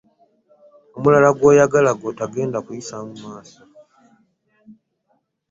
Omulala gw'oyagala gw'otogenda kuyisaamu maaso?